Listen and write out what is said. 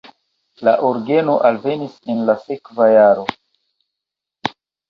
La orgeno alvenis en la sekva jaro.